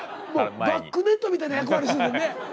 バックネットみたいな役割しててんね。